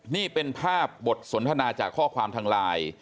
นี่เป็นภาพบทสนทนาจากข้อความทางไลน์